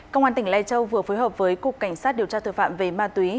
công an tỉnh lai châu vừa phối hợp với cục cảnh sát điều tra tội phạm về ma túy